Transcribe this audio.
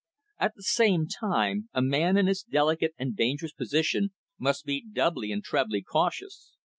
At the same time a man in his delicate and dangerous position must be doubly and trebly cautious.